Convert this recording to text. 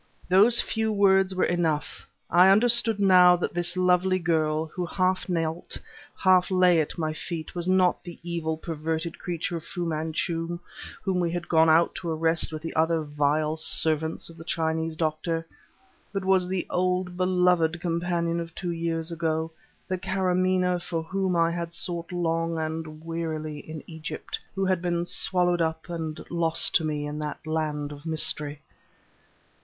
Those few words were enough; I understood now that this lovely girl, who half knelt, half lay, at my feet, was not the evil, perverted creature of Fu Manchu whom we had gone out to arrest with the other vile servants of the Chinese doctor, but was the old, beloved companion of two years ago, the Karamaneh for whom I had sought long and wearily in Egypt, who had been swallowed up and lost to me in that land of mystery.